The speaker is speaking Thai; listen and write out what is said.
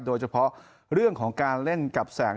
โดยเฉพาะเรื่องของการเล่นกับแสง